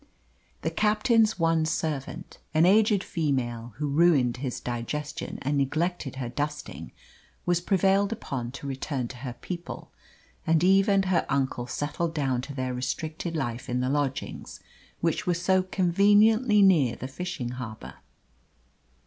The captain's one servant an aged female who ruined his digestion and neglected her dusting, was prevailed upon to return to her people, and Eve and her uncle settled down to their restricted life in the lodgings which were so conveniently near the fishing harbour.